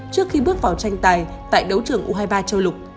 trước khi bước vào tranh tài tại đấu trưởng u hai mươi ba châu lục